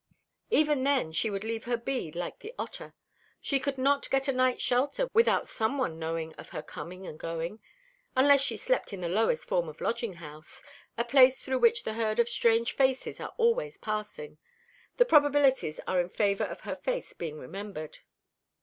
"Even then she would leave her bead, like the otter. She could not get a night's shelter without some one knowing of her coming and going. Unless she slept in the lowest form of lodging house a place through which the herd of strange faces are always passing the probabilities are in favour of her face being remembered."